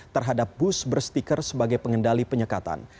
terhadap bus berstiker sebagai pengendali penyekatan